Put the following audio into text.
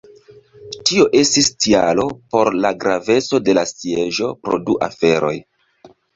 Tio estis tialo por la graveco de la sieĝo pro du aferoj.